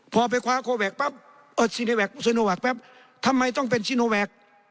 พอไปคว้าโคแวคปั๊บเออซีโนแวคซีโนแวคปั๊บทำไมต้องเป็นซีโนแวค